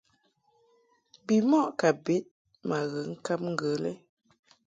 Bimɔʼ ka bed ma ghe ŋkab ŋgə lɛ.